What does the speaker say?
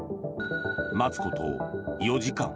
待つこと４時間。